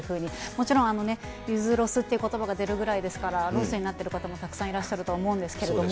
もちろん、ゆづロスってことばが出るくらいですから、ロスになっている方もたくさんいらっしゃると思いますけれども。